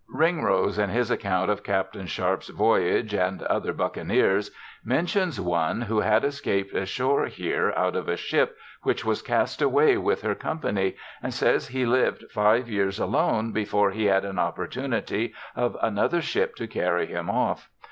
Ring rose, in his account of Capt. Sharp's voyage and other buccaneers, mentions one who had escap'd ashore here out of a ship, which was cast away British Privateer. 59 with her company, and says he liv'd five years alone before he had an opportunity of another ship to carry him off.